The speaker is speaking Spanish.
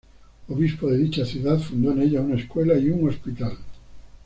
Obispo de dicha ciudad, fundó en ella una escuela y un hospital.